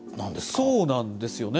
そうなんですよね。